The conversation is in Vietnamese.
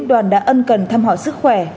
đoàn đã ân cần thăm hỏi sức khỏe